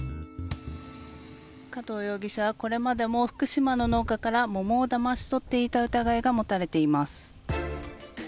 加藤容疑者は、これまでも福島の農家から桃をだまし取っていた疑いが持たれています。